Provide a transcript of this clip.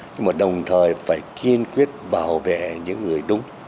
nhưng mà đồng thời phải kiên quyết bảo vệ những người đúng